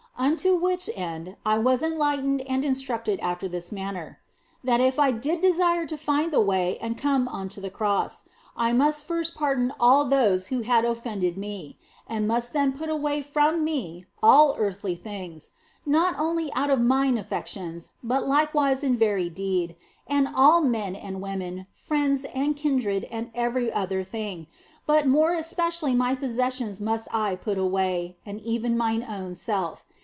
Unto which end I was enlightened and instructed after this manner : that if I did desire to find the way and come OF FOLIGNO 5 unto the Cross, I must first pardon all those who had offended me, and must then put away from me all earthly things, not only out of mine affections but likewise in very deed, and all men and women, friends and kindred and every other thing, but more especially my possessions must I put away, and even mine own self.